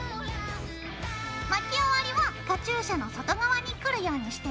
巻き終わりはカチューシャの外側にくるようにしてね。